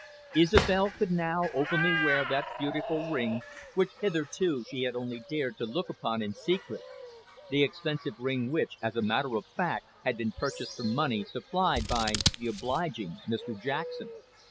Isobel could now openly wear that beautiful ring which hitherto she had only dared to look upon in secret that expensive ring which, as a matter of fact, had been purchased from money supplied by the obliging Mr Jackson.